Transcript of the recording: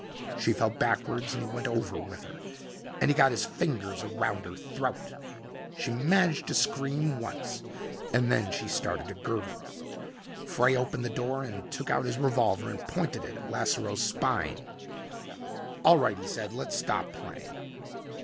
She fell backward and he went over with her and he got his fingers around her throat. She managed to scream once and then she started to gurgle. Frey opened the door and took out his revolver and pointed it at Lasseroe's spine. "All right," he said, "Let's stop playing."